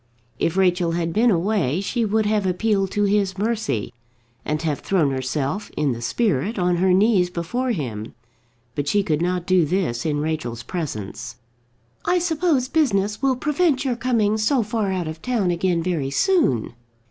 If Rachel had been away, she would have appealed to his mercy, and have thrown herself, in the spirit, on her knees before him. But she could not do this in Rachel's presence. "I suppose business will prevent your coming so far out of town again very soon."